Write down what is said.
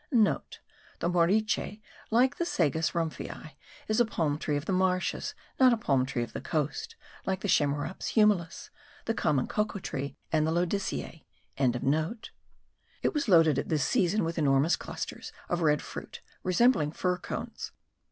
*(* The moriche, like the Sagus Rumphii, is a palm tree of the marshes, not a palm tree of the coast, like the Chamaerops humilis, the common cocoa tree, and the lodoicea.) It was loaded at this season with enormous clusters of red fruit, resembling fir cones.